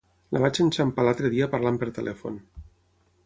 La vaig enxampar l’altre dia parlant per telèfon.